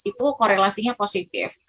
itu korelasinya positif